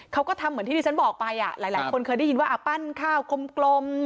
เขาก็ทำเหมือนที่ที่ฉันบอกไปหลายคนเคยได้ยินว่าปั้นข้าวกลม